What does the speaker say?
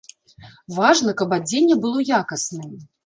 Важна, каб адзенне было якасным.